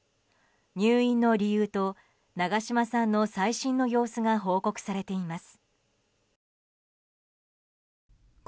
入院の理由と長嶋さんの最新の様子が報告されています。